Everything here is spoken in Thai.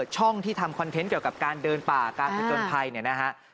ช่องที่ทำคอนเทนต์เกี่ยวกับการเดินป่าการผลจนภัย